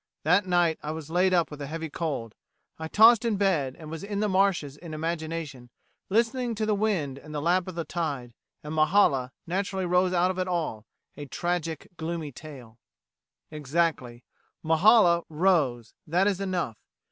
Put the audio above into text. That night I was laid up with a heavy cold. I tossed in bed and was in the marshes in imagination, listening to the wind and the lap of the tide; and 'Mehalah' naturally rose out of it all, a tragic gloomy tale."[13:A] Exactly. "Mehalah" rose; that is enough!